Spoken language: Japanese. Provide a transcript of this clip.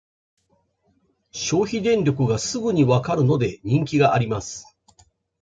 消費電力がすぐにわかるので人気があります